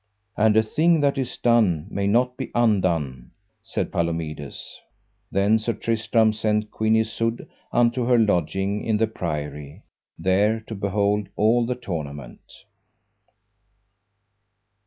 And a thing that is done may not be undone, said Palomides. Then Sir Tristram sent Queen Isoud unto her lodging in the priory, there to behold all the tournament.